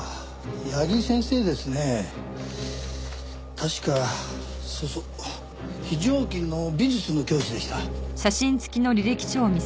確かそうそう非常勤の美術の教師でした。